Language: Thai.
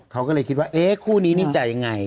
เขาก็เลยคิดว่าเอ๊ะคู่นี้นี่จะยังไง